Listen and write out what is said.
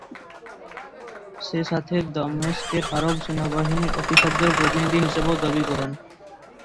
সেসাথে দামেস্কের আরব সেনাবাহিনীর অফিসারদের প্রতিনিধি হিসেবেও দাবি করেন।